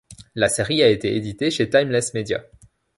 La série a été éditée chez Timeless Media.